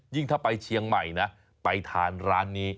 ถ้าไปเชียงใหม่นะไปทานร้านนี้